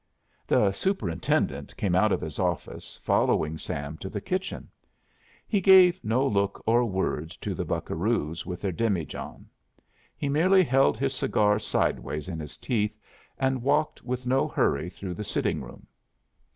The superintendent came out of his office, following Sam to the kitchen. He gave no look or word to the buccaroos with their demijohn; he merely held his cigar sidewise in his teeth and walked with no hurry through the sitting room.